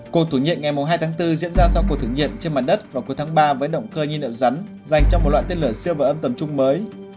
cuộc thử nghiệm ngày hai tháng bốn diễn ra sau cuộc thử nghiệm trên mặt đất vào cuối tháng ba với động cơ nhiên liệu rắn dành cho một loại tên lửa siêu và âm tầm chung mới